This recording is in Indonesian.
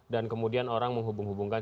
dan kemudian orang menghubung hubungkan